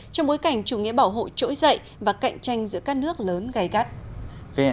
trong bối cảnh chủ nghĩa bảo hộ trỗi dậy và cạnh tranh giữa các nước lớn gai gắt